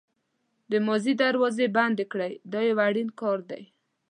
د ماضي دروازې بندې کړئ دا یو اړین کار دی.